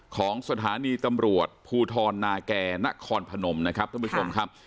ของสถานีตำรวจภูทรนาแก่นครพนมนะครับท่านผู้ชมครับ